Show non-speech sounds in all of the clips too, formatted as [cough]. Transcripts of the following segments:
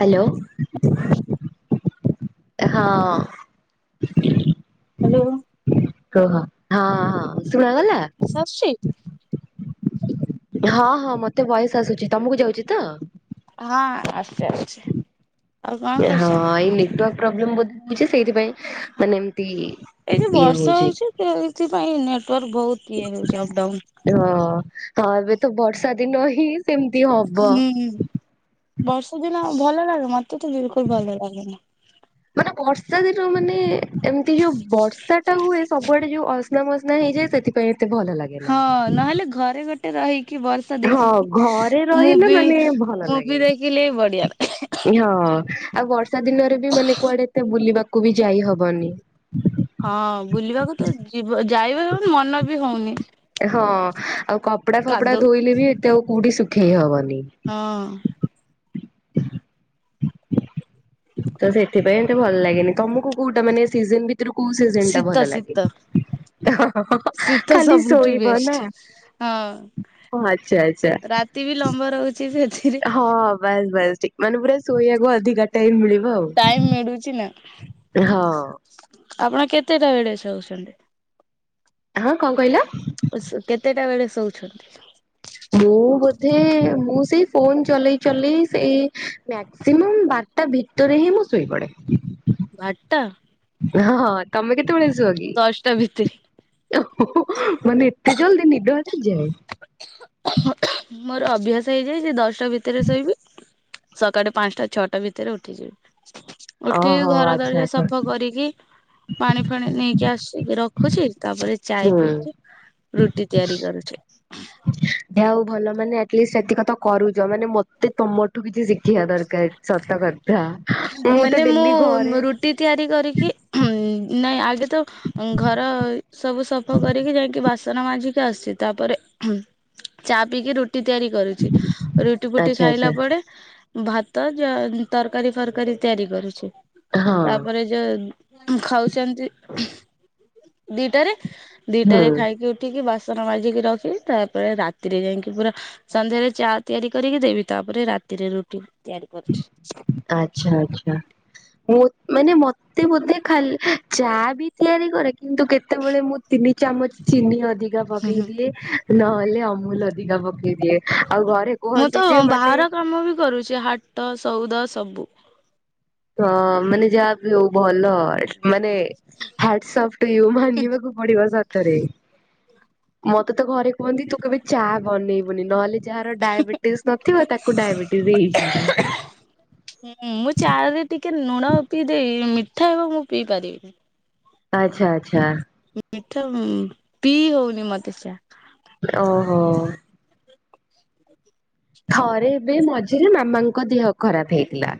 Hello. [unintelligible] ହଁ। Hello. କୁହ ହଁ ହଁ ହଁ ଶୁଣାଗଲା? ସାଆଚି ହଁ ହଁ ମତେ ଭୟେସ ଆସୁଛି ତମକୁ ଯାଉଛି ତ? ହଁ ଆସୁଛି ଆସୁଛି। ଆଉ କଣ ହଁ କରୁଛନ୍ତି? ଏଇ ନେଟୱାର୍କ ପ୍ରୋବ୍ଲେମ ବଦ୍ଧେ ହଉଛି ସେଇଥିପାଇଁ ମାନେ ଏମତି ଏଇ ଯୋଉ ବର୍ଷା ହଉଛି ସେଇଥିପାଇଁ ନେଟୱାର୍କ ବହୁତ ଇଏ ରହୁଛି ବହୁତ୍ ଅପଡାଉନୁ। ହଁ ହଁ ଏବେ ତ ବର୍ଷା ଦିନ ହିଁ ସେମିତି ହ ହୁଁ ବର୍ଷା ଦିନ ଭଲ ଲାଗେ ମତେ ତ ବିଲକୁଲ ଭଲ ଲାଗେନି। ମାନେ ବର୍ଷା ଦିନ ମାନେ ଏମିତି ଯୋଉ ବର୍ଷା ଟା ହୁଏ ସବୁଆଡେ ଯୋଉ ଅସ୍ନା ମସ୍ନା ନାଇଁ ହେଇ ଯାଏ ସେଥିପାଇଁ ଏତେ ଭଲ ଲାଗେ ନା ହଁ ନହେଲେ ଘରେ ଗୋଟେ ରହିକି ବସ ହଁ ଦେଖିକି ଘରେ ରହିଲେ ମୁଭି ମାନେ ଭଲ ମୁଭି ଲାଗେ। ଦେଖିଲି ବଢିଆ ଲା ହଁ ଆଉ ବର୍ଷା ଦିନରେ ବି ମାନେ କୁଆଡେ ଏତେ ବୁଲିବାକୁ ବି ଯାଇ ହବନି। ହଁ ବୁଲିବାକୁ ତ ଯିବ ଯାଇବି ହଉନି ମନ ବି ହଉନି। ହଁ ଆଉ କପଡା ଫପଡା କାଦଉ ଧୋଇଲେ ବି ଏତେ ଆଉ କୋଉଠି ଶୁଖେଇ ହବନି। ହଁ ତ ସେଥିପାଇଁ ଏମିତି ଭଲ ଲାଗେନି ତମକୁ କୋଉଟା ମାନେ ସିଜିନ ଭିତରୁ କୋଉ ସିଜିନ ଟା ଶୀତ ଭଲ ଶୀତ ଲାଗେ? ହଁ ଶୀତ ଖାଲି ସବୁଠୁ ଶୋଇବ ବେଷ୍ଟ ନା ହଁ। ଆଚ୍ଛା ଆଚ୍ଛା। ରାତି ବି ଲମ୍ବା ରହୁଛି ସେଥି ହଁ ବାସ୍ ବାସ୍ ଠିକ ମାନେ ପୁରା ଶୋଇବାକୁ ଅଧିକା ଟାଇମ ମିଳିବ ଆଉ। ଟାଇମ ମିଳୁଛି ନା। ହଁ। ଆପଣ କେତେଟା ବେଳେ ଶୋଉଛନ୍ତି? ହଁ କଣ କହିଲେ? ସ କେତେଟା ବେଳେ ଶୋଉଛନ୍ତି? ମୁଁ ବୋଧେ ମୁଁ ସେଇ ଫୋନ ଚଲେଇ ଚଲେଇ ସେଇ ମ୍ୟାକ୍ସିମମ ବାର ଟା ଭିତରେ ହିଁ ମୁଁ ଶୋଇପଡ଼େ। ବାରଟା? ହଁଁ ହଁ ତମେ କେତେବେଳେ ଶୁଅ କି? ଦଶଟା ଭିତରେ ଓହୋ ମାନେ ଏତେ ଜଲଦି ନିଦ ଆସିଯାଏ? ମୋର ଅଭ୍ୟାସ ହେଇଯାଇଛି ଦଶଟା ଭିତରେ ଶୋଇବି। ସକାଳେ ପାଞ୍ଚଟା ଛଅଟା ଭିତରେ ଉଠିଯିବି ଉଠିକି ଓହୋ ଘର ଆଚ୍ଛା ଦ୍ବାର ଆଚ୍ଛା। ସଫା କରିକି ପାଣି ଫାଣି ନେଇକି ଆସିକି ରଖୁଛି ତାପରେ ଚାଏ ହୁଁ। ପିଇକି ରୁଟି ତିଆରି କରୁଛି। ଯାହଉ ଭଲ ମାନେ ଆଟଲିଷ୍ଟ ସେତିକ ତ କରୁଚ ମାନେ ମତେ ତମଠୁ କିଛି ଶିଖିବା ଦରକାର୍ ସତ କଥା। ମୁଁ ତ ମାନେ ଡେଲି ଘରେ ମୁଁ ରୁଟି ତିଆରି କରିକି ହଉଁ ନାଇଁ ଆଗେ ତ ଉଁ ଘର ସବୁ ସଫା କରିକି ଯାଇକି ବାସନ ମାଜିକି ଆସେ ତାପରେ ଚା ପିଇକି ରୁଟ୍ ରୁଟି ତିଆରି କରୁଚି ରୁଟି ଫୁଟି ଆଚ୍ଛା ଖାଇଲା ଆଚ୍ଛା। ପରେ ଭାତ ଜା ତରକାରୀ ଫର୍ କାଳୀ ତିଆରି କରୁଚି ହଁ ତାପରେ ଯେ ଖାଉଛନ୍ତି ଦିଟାରେ ହୁଁ ଦିଟାରେ ଖାଇକି ଉଠିକି ବାସନ ମାଜିକି ରଖିକି ତାପରେ ରାତିରେ ଯାଇକି ପୁରା ସନ୍ଧ୍ୟାରେ ଚା ତିଆରି କରିକି ଦେବି ତାପରେ ରାତିରେ ରୁଟି ତିଆରି କରୁଛି। ଆଚ୍ଛା ଆଚ୍ଛା ହଉ ମାନେ ମତେ ବୋଧେ ଖାଲି ଚା ବି ତିଆରି କରେ କିନ୍ତୁ କେତେବେଳେ ମୁଁ ତିନି ଚାମଚ ଚିନି ଅଧିକା ହୁଁ ପକେଇ ହୁଁ ଦିଏ ନହେଲେ ଅମୁ ମୁଲ୍ ଅଧିକା ପକେଇ ଦିଏ ଆଉ ଘରେ କୁହନ୍ତି ଯେ ମାନେ କାମବି କରୁଛି ହାଟ୍। ତ ସଉଦା ସବୁ। ହଁ ମାନେ ଯାହାବି ହଉ ଭଲ ମାନେ ହାର୍ଟ ସ୍ଅଫ୍ଟ ଟୁ ୟୁ ମାନିବାକୁ ପଡିବ ସତରେ ମତେ ତ ଘରେ କୁହନ୍ତି ତୁ କେବେ ଚା ବନେଇବୁନି ନହେଲେ ଯାହାର ଡାଇବେଟିସ୍ ନଥିବ ତାକୁ ଡାଇବେଟିସ୍ ହେଇଯିବ। ହୁଁ ମୁଁ ଚା ରେ ଟିକେ ଲୁଣ ପିଇଦେବି ମିଠା ହବ ମୁଁ ପିଇ ପାରିବିନି। ଆଚ୍ଛା ଆଚ୍ଛା। ମିଠା ଉଁ ପିଇ ହଉନି ମତେ ଚା। ମାନେ ଓହୋ। ଥରେ ଏବେ ମଝିରେ ମାମାଙ୍କ ଦେହ ଖରାପ ହେଇଥିଲା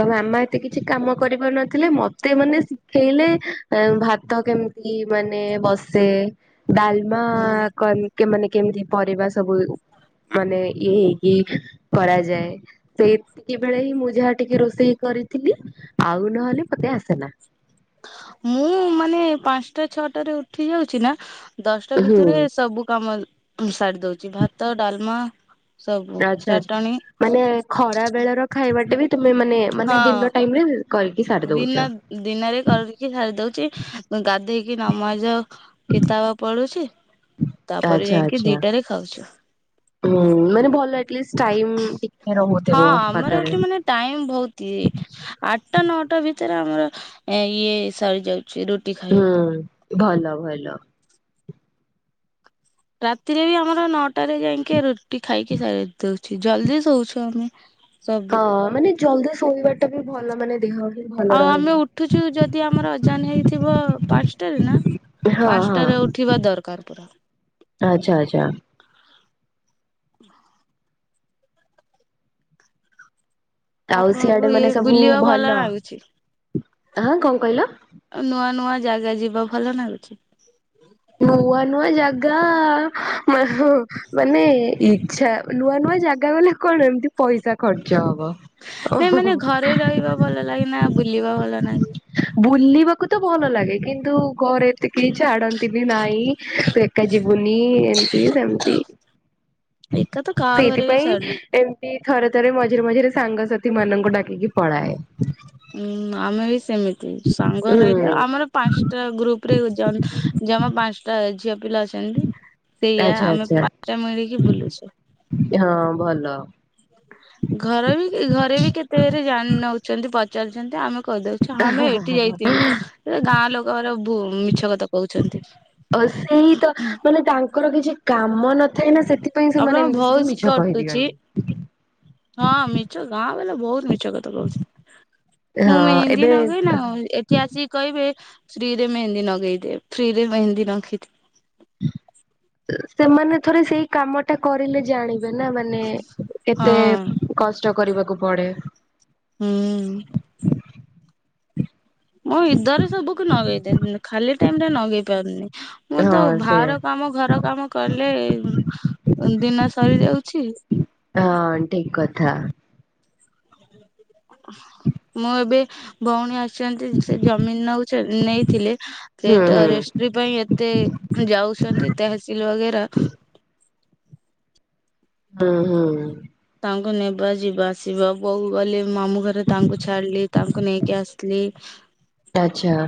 ତ ମାମା ଏମିତି କିଛି କାମ କରିପାରୁନଥିଲେ ମତେ ମାନେ ଶିଖେଇଲେ ଏ ଭାତ କେମିତି କେମିତି ମାନେ ବସେ ଡାଲମା ହୁଁ। କଲ କେ ମାନେ କେମିତି ପରିବା ସବୁ ମାନେ ଇଏ ହେଇକି କରାଯାଏ। ସେଇତିକି ବେଳେ ହିଁ ମୁଁ ଯାହା ଟିକେ ରୋଷେଇ କରିଥିଲି ଆଉ ନହେଲେ ମତେ ଆସେନା। ମୁଁ ମାନେ ପାଞ୍ଚଟା ଛଅଟାରେ ଉଠି ଯାଉଚି ନା ଦଶଟା ଭିତରେ ହୁଁ ସବୁ କାମ ସାରି ଦଉଛି ଭାତ, ଡାଲ୍ମା ଆଚ୍ଛା ଆଚ୍ଛା ମାନେ ଖରା ବେଳର ଖାଇବାଟା ବି ତମେ ମାନେ ମାନେ ହଁ ଦିପର୍ ଟାଇମ୍ ରେ କରିକି ସାରି ଦଉଛ। ଦିନ ଦିନରେ କରିକି ଖାଇ ଦଉଛି ଗାଧେଇକି ନମା ଏଇଯଉ କିତାବ ପଢ଼ୁଚି ତାପରେ ଆଚ୍ଛା ଯାଇକି ଆଚ୍ଛା ଦିଟାରେ ଖାଉଛୁ। ହୁଁ ମାନେ ଭଲ ଆଟ୍ ଲିଷ୍ଟ୍ ଟାଇମ୍ ରହୁଥିବ ହାତରେ। ଟାଇମ୍ ବହୁତି ଇଏ ଆଟା ନଅଟା ଭିତରେ ଆମର ଇଏ ସରି ଯାଉଛି ରୁ ହୁଁ ଭଲ ଭଲ। ରାତିରେ ବି ଆମର ନଅଟାରେ ଯାଇକି ରୁଟି ଖାଇକି ସାରି ଦଉଛି ଜଲ୍ଦି ଶୋଉଚୁ ଆମେ। ସବୁ ହଁ ମାନେ ଜଲ୍ଦି ଶୋଇବା ଟା ବି ଭଲ ମାନେ ଦେହ ବି ଭଲ ଆଉ ରହିବ। ଆମେ ଉଠୁଚୁ ଯଦି ଆମର ଅଜାନ୍ ହେଇଥିବ ପାଞ୍ଚଟାରେ ନା ହଁ ହଁ ପାଞ୍ଚଟାରେ ଉଠିବା ଦରକାର ପୁରା। ଆଚ୍ଛା, ଆଚ୍ଛା। ଆଉ ସିଆଡେ ଆପଣଙ୍କୁ ଇଏ ମାନେ ସବୁ ବୁଲିବା ଭଲ? ଲାଗୁଛି। ହଁ କଣ କହିଲ? ଅ, ନୂଆ ନୂଆ ଜାଗା ଯିବାକୁ ଭଲ ନାଗୁଛି? ନୂଆ ନୂଆ ଜାଗା ମା- ହଁ ମାନେ ଏ ଇ ଛା ଓ ନୂଆ ନୂଆ ଜାଗା ଗଲେ କଣ ଏମିତି ପଇସା ଖର୍ଚ୍ଚ ହବ। ନାଇଁ ମାନେ ଘରେ ରହିବା ଭଲ ଲାଗେ ନା ବୁଲିବା ଭଲ ନାଗେ? ବୁଲିବାକୁ ତ ଭଲ ଲାଗେ। କିନ୍ତୁ ଘରେ ତ କେହି ଛାଡନ୍ତିନି, ନାଇଁ ତୁ ଏକା ଯିବୁନି, ଏମିତି ସେମିତି ଏକା ତ କାହା ଘରେ ବି ସେଇଥିପାଇଁ ଛାଡୁନି। ଏମ ତି ଥରେ ଥରେ ମଝିରେ ମଝିରେ ସାଙ୍ଗସାଥି ମାନଙ୍କୁ ଡାକିକି ପଳାଏ। ଉଁ, ଆମେ ବି ସେମିତି ସାଙ୍ଗ ରହିଲେ, ହୁଁ ଆମର ପାନ୍ସଟା ଗ୍ରୁପ୍ ରେ ଯାଆ ଯମା ପାନ୍ସଟା ଝିଅ ପିଲା ଅଛନ୍ତି, ସେଇଆ ଆଚ୍ଛା ଆମେ ଆଚ୍ଛା [inaudible] ମିଳିକି ବୁଲୁଛୁ। ହଁ ଭଲ। ଘର ବି ଏ ଘରେ ବି କେତେ ଘରେ ଜାଣି ନଉଚନ୍ତି, ପଚାରୁଛନ୍ତି ଆମେ କହିଦଉ ଛ- ଆମେ ଏଠି ଯାଇଥିଲୁ, ସେ ଗାଁ ଲୋକକର ଭୁ- ମିଛ କଥା କହୁଛନ୍ତି। ହଁ ସେଇ ତ ମ ତାଙ୍କର କିଛି କାମ ନଥାଏ ନା ସେଥିପାଇଁ ସେମାନେ ଆପଣଙ୍କ ଏମିତି ସବୁ ଭଏସ ମିଛ କଟୁଛି କହିଦିଅନ୍ତି। ହଁ ମିଛ ଗାଁ ବାଲା ବହୁତ ମିଛ କଥା କହୁଛି, ମୁଁ ହଁ ମେହେନ୍ଦୀ ଏବେ ନଗେଇନା ଏ ସେ ଆସିକି କହିବେ ଫ୍ରୀ ରେ ମେହେନ୍ଦୀ ନଗେଇ ଦେ, ଫ୍ରି ରେ ମେହେନ୍ଦୀ ନଗେଇ ଦେ। ସେମାନେ ଥରେ ସେଇ କାମ ଟା କରିଲେ ଜାଣିବେ ନା ମାନେ କେତେ ହଁ କଷ୍ଟ କରିବାକୁ ପଡେ। ହୁଁ। ମୋ ଇଦରେ ସବୁକୁ ନଗେଇଦେନ, ଖାଲି ଟାଇମ୍ ରେ ନଗେଇ ପାରୁନି। ମୁଁ ତ ହଁ ସେ ଭାହାର କାମ ଘର କାମ କଲେ ଦିନ ସରି ଯାଉଛି। ହଁ ଠିକ କଥା। ମୁଁ ଏବେ ଭଉଣୀ ଆସିଛନ୍ତି, ସେ ଜମିନ୍ ନଉଛ, ନେଇଥିଲେ ହୁଁ ସେଟା ହୁଁ ରେଷ୍ଟ୍ରି ପାଇଁ ଏ ତେ ଯାଉଛନ୍ତି ତହସିଲ ବଗେରା। ହଁ, ହୁଁ। ତାଙ୍କୁ ନେବା ଯିବା ଆସିବା ବୋଉ ଗଲେ ମାମୁଁ ଘରେ ତାଙ୍କୁ ଛାଡିଲି, ତାଙ୍କୁ ନେଇକି ଆସିଲି। ଆଚ୍ଛା।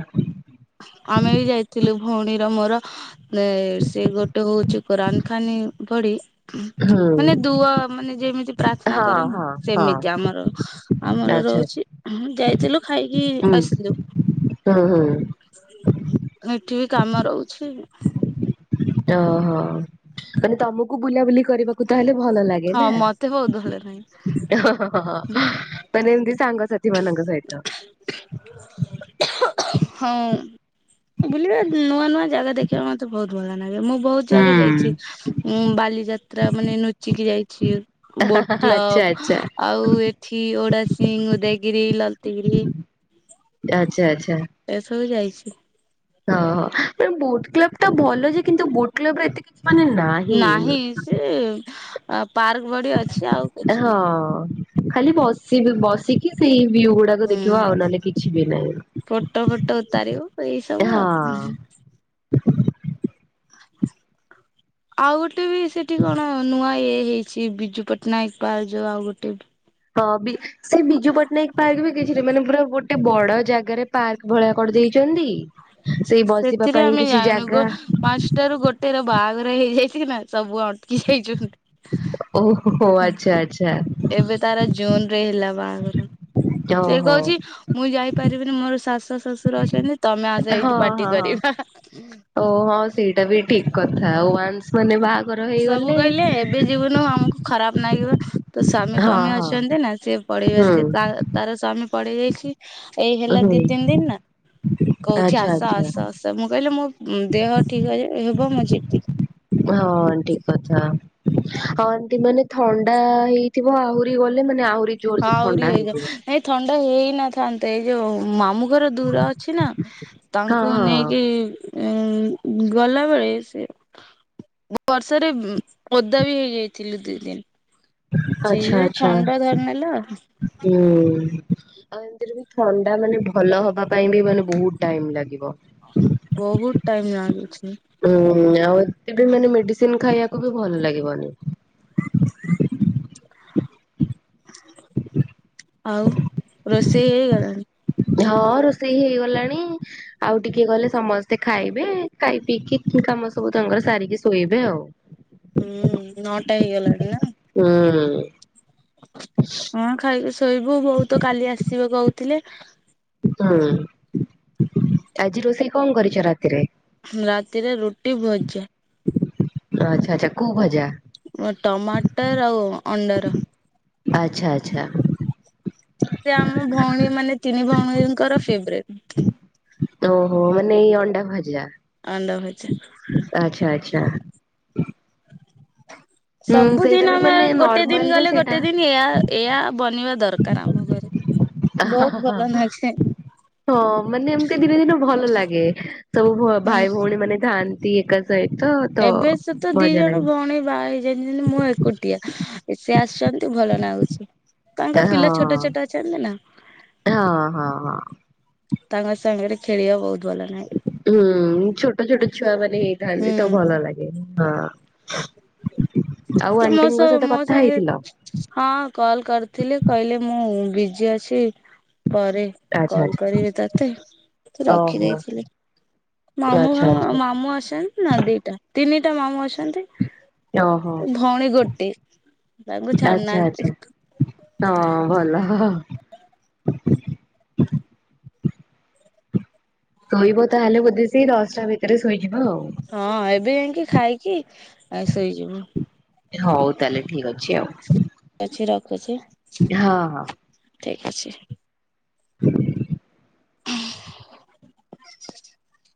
ଆମେ ବି ଯାଇଥିଲୁ ଭଉଣୀର ମୋର, ନେ-ସେ ଗୋଟେ ହଉଛି କୋରାନ ଖାନି ପଢି ହୁଁ ମାନେ ଦୁଆ ମାନେ ଯେମିତି ପ୍ରାର୍ଥନା ହଁ କରେ ନା ହଁ ହଁ ସେମିତି ଆମର। ଆଚ୍ଛା ଆମର ଆଚ୍ଛା ରହୁଛି, ଯାଇଥିଲୁ ଖାଇକି ଆସିଲୁ। ହଁ, ହଁ। ଏଠି ବି କାମ ରହୁଛି। ଓହୋ, ମାନେ ତୋମକୁ ବୁଲାବୁଲି କରିବା କୁ ତାହେଲେ ଭଲ ଲାଗେ ହଁ ନା? ମତେ ବହୁତ ଭଲ ନାହିଁ ଏ ହୋ, ହୋ, ହୋ, ହୋ ତାନେ ଏମିତି ସାଙ୍ଗସାଥି ମାନଙ୍କ ସହିତ। [inaudible] ହଁ ଓ ବୁଲିବେ ନୂଆ ନୂଆ ଜାଗା ଦେଖିବା ମୋତେ ବହୁତ ଭଲ ନାଗେ। ମୁଁ ବହୁତ ଜାଗା ଯାଇଚି। ହୁଁ ଉଁ ବାଲିଯାତ୍ରା ମାନେ ନୁଚିକି ଯାଇଛି, ବୋଟ ଆଚ୍ଛା କ୍ଲବ ଆଚ୍ଛା ଆଉ ଏଠି ଓଡାସିଂ, ଉଦୟଗିରି, ଲଲତିଗିରି। ଆଚ୍ଛା ଆଚ୍ଛା। ଏସବୁ ଯାଇଛି। ଓହୋ ବୋଟ କ୍ଲବ ଟା ଭଲ ଯେ କିନ୍ତୁ ବୋଟ କ୍ଲବ ରେ ଏତେ କିଛି ମାନେ ନା ନାହିଁ ସିଏ ପାର୍କ ଭଡି ଅଛି ଆଉ କିଛି ହଁ ନାହିଁ। ଖାଲି ବସିବି ବସ ଟିକିଏ ସେଇ ଭିୟୁଗୁଡାକୁ ଦେଖିବ ହୁଁ ଆଉ ନହେଲେ କିଛି ବି ନାହିଁ। ତାରିବ ଏଇ ସବୁ ଆଉ ହଁ ଉହୁଁ। ଆଉ ଗୋଟେ ବି ସେଠି କଣ ନୂଆ ଇଏ ହେଇଛି, ବିଜୁ ପଟ୍ଟନାୟକ ପାର୍କ ଯୋଉ ଆଉ ଗୋଟେ ବି ହଁ ବି ସେ ବି ବିଜୁ ପଟ୍ଟନାୟକ ପାର୍କ ବି କିଛି ନା ମାନେ ପୁରା ଗୋଟେ ବଡ ଜାଗାରେ ପାର୍କ ଭଳିଆ କରି ଦେଇେଇଛନ୍ତି, ସେଇ ବସିବା ପାଇଁ କିଛି ଜାଗା ପାଞ୍ଚଟାରୁ ଗୋଟେ ର ବାହାଘର ହେଇଯାଇଛି ନା ସବୁ ଅ ଓହୋ ଆଚ୍ଛା [unintelligible] ଆଚ୍ଛା ଏବେ ତାର ଜୁନ ରେ ହେଲା ବାହାଘର ସେ ଓହୋ। କହୁଛି ମୁଁ ଯାଇପାରିବିନି ମୋର ଶାଶୁ ଶଶୁର ଅଛନ୍ତି ତମେ ଆସ ହଁ ଏଇଠି ପାର୍ଟି ହଁ ହଁ। କରିବା। ଓ ହଁ ସେଇଟା ବି ଠିକ୍ କଥା। [inaudible] ମାନେ ବାହାଘର ସବୁ ହେଇଗଲେ କହିଲେ ଏବେ ଯିବୁନୁ ଆମକୁ ଖରାପ ଲାଗିବ। ତା ସ୍ବାମୀ ହଁ ଫମି ହଁ। ଅଛନ୍ତି ନା ସିଏ ପେଇବା ହୁଁ ତାର ସ୍ଵାମୀ ପଡେଇ ଯାଇଛି। ଏଇ ହେଲା ହୁଁ ଦି ତିନି ଦିନ ନା? କହୁଛି ଆଚ୍ଛା ଆସ ଆଚ୍ଛା ଆସ ଆସ ମୁଁ କହିଲି ମୋ ଦେହ ଠିକ୍ ହେବ ମୁଁ ଯିବି। ହଁ ଠିକ୍ କଥା। ହଁ ଏମିତି ମାନେ ଥଣ୍ଡା ହେଇଥିବ ଆହୁରି ଗଲେ ମାନେ ଆହୁରି ଜୋର ସେ ଥଣ୍ଡା ହେଇଥିବ। ନାଇ ଥଣ୍ଡା ହେଇ ନଥାନ୍ତେ ଏଇ ଯୋଉ ମାମୁଁ ମାମୁଁ ଘର ଦୂର ଅଛି ନା ହଁ ତାଙ୍କୁ ନେଇକି ହଁ ଏ ଗଲା ବେଳେ ସେ ବର୍ଷାରେ ଓଦା ବି ହେଇଯାଇଥିଲୁ ଦି ଦିନି ଆଚ୍ଛା ସେଇଥିପାଇଁ ଆଚ୍ଛା ଥଣ୍ଡା ଧରିନେଲା। ହୁଁ। ଆଉ ଏମିତିରେ ବି ଥଣ୍ଡା ମାନେ ଭଲହବା ପାଇଁ ବି ମାନେ ବହୁତ ଟାଇମ ଲାଗିବ। ବହୁତ ଟାଇମ ଲାଗୁଛି। ହୁଁ ଆଉ ଏ ମାନେ ମେଡିସିନ ଖାଇବାକୁ ବି ଭଲ ଲାଗିବନି। ହୁଁ ଆଉ ରୋଷେଇ ହେଇଗଲାଣି? ହଁ ରୋଷେଇ ହେଇଗଲାଣି। ଆଉ ଟିକିଏଗଲେ ସମସ୍ତେ ଖାଇବେ ଖାଇ ପିଇକି କାମ ସବୁ ତାଙ୍କର ସାରିକି ଶୋଇବେ ଆଉ। ହୁଁ ନଟା ହେଇଗଲାଣି ନାଁ? ଉଁ ହଁ ଖାଇକି ଶୋଇବୁ ବୋଉ ତ କାଲି ଆସିବେ କହୁଥିଲେ। ହଁ ଆଜି ରୋଷେଇ କଣ କରିଛ ରାତିରେ? ରାତିରେ ରୁଟି ଭଜା। ଆଚ୍ଛା ଆଚ୍ଛା କୋଉ ଭଜା? ଟମାଟୋ ଆଉ ଅଣ୍ଡାର। ଆଛା ଆଛା। ସେ ଆମ ଭଉଣୀ ମାନେ ତିନି ଭଉଣୀଙ୍କର ଫେବେରେଟ। ଓହୋ ମାନେ ଏଇ ଅଣ୍ଡା ଭଜା। ଅଣ୍ଡା ଭଜା। ଆଛା ଆଛା। ହୁଁ ସେଇଟା ସବୁଦିନ ବି ଆମେ ମାନେ ଗୋଟିଏ ନର୍ମାଲ ଦିନ ରେ ଗଲେ ସେଇଟା ଗୋଟିଏ ଦିନ ଏଇଆ ଏଇଆ ବନେଇବା ଦରକାର ଆମ ଘରେ। ଆ ହା ବହୁତ ହା ଭଲ ଆଛେ। ହଁ ମାନେ ଏମତି ଦିନେ ଦିନେ ଭଲ ଲାଗେ ସବୁ ହୁଁ ଭାଇ ଭଉଣୀ ମାନେ ଥାଆନ୍ତି ନ୍ତୀ ଏକା ସହିତ। ତ ଏବେ ସେ ତ ଦି ମଜା ଜଣ ଲାଗେ। ଭଉଣୀ ବାହା ହୋଇଯାଇଛନ୍ତି ମୁଁ ଏକୁଟିଆ। ଏତେ ଆସୁଛନ୍ତି ଭଲ ନାଗୁଛି ତାଙ୍କ ହଁ ପିଲା ଛୋଟ ଛୋଟ ଅଛନ୍ତି ନା। ହଁ ହଁ ହଁ। ତାଙ୍କ ସାଙ୍ଗରେ ଖେଳିବା ବହୁତ ଭଲ ନାଗେ। ହୁଁ ଛୋଟ ଛୋଟ ଛୁଆମାନେ ହେଇଥାନ୍ତି ତ ଭଲ ହୁଁ ଲାଗେ। ହଁ ଆଉ ମୋ ଆଣ୍ଟିଙ୍କ ସହ ସହିତ ମୋ କଥା ସାଙ୍ଗେ ହେଇଥିଲ? ହଁ କଲ କରିଥିଲି କହିଲେ ମୁଁ ବିଜି ଅଛି ପରେ ଆଚ୍ଛା କଲ ଆଚ୍ଛା କରିବି ତତେ ତ ଓହୋ ରଖିଦେଇଥିଲି। ମାମୁଁ ଆଚ୍ଛା ଆଚ୍ଛା ମାମୁଁ ଅଛନ୍ତି ନା ଦିଟା ତିନିଟା ମାମୁଁ ଅଛନ୍ତି। ଓହୋ ଭଉଣୀ ଗୋଟିଏ ତାଙ୍କୁ ଆଚ୍ଛା ଛାଡୁନାହାନ୍ତି। ଆଚ୍ଛା। ହଁ ଭଲ। [inaudible] ଶୋଇବ ତାହେଲେ ବୋଧେ ସେ ଦଶଟା ଭିତରେ ଶୋଇଯିବ ଆଉ। ହଁ ଏବେ ଯାଇକି ଖାଇକି ଆ ଶୋଇଯିବୁ। ହଉ ତାହେଲେ ଠିକ ଅଛି ଆଉ। ଅଛି ରଖୁଛି ହଁ ହଁ ଠିକ ଅଛି। ହୁଁ। [inaudible]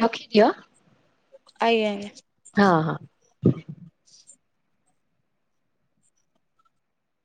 ରଖିଦିଅ। ଆଜ୍ଞା ଆଜ୍ଞା। ହଁ ହଁ।